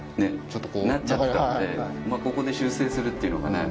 ちょっとこうなっちゃってたのでここで修正するっていうのがね